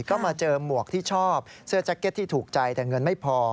ก็มาเจอหมวกที่ชอบเสื้อแจ็คเก็ตที่ถูกใจแต่เงินไม่พอ